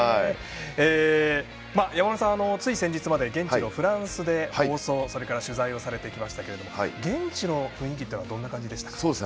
山村さんはつい先日まで現地のフランスで放送それから取材をされてきましたが現地の雰囲気はどんな感じでしたか。